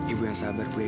ibu yang sabar puan